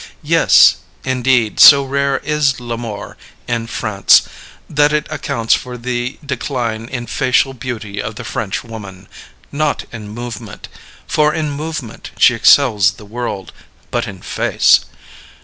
Yes, indeed, so rare is l'amour in France that it accounts for the decline in facial beauty of the French woman not in movement, for in movement she excels the world, but in face.